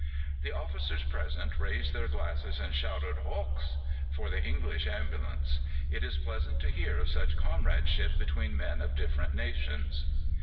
The officers present raised their glasses and shouted "Hochs!" for the English ambulance. It is pleasant to hear of such comradeship between men of different nations.